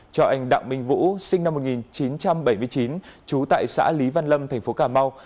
cho anh đặng minh vũ sinh năm một nghìn chín trăm bảy mươi chín trú tại xã lý văn lâm thành phố cà mau